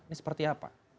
ini seperti apa